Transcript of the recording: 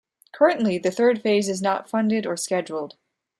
Currently, the third phase is not funded or scheduled.